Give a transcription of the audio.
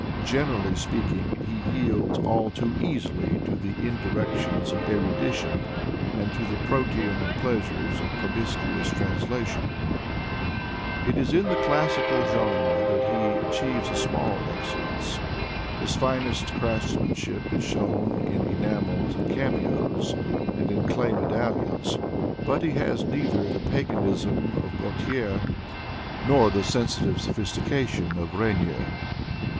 Generally speaking, he yields all too easily to the indirections of erudition and to the Protean pleasures of promiscuous translation. It is in the classical genre that he achieves a small excellence. His finest craftsmanship is shown in enamels and cameos, and in clay medallions, but he has neither the paganism of Gautier nor the sensitive sophistication of R6gnier.